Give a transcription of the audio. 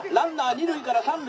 「二塁から三塁」。